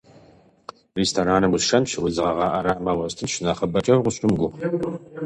Рестораным усшэнщ, удз гъэгъа ӏэрамэ уэстынщ, нэхъыбэкӏэ укъысщымыгугъ.